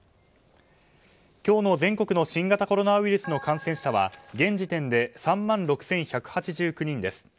今日の全国の新型コロナウイルスの感染者は現時点で３万６１８９人です。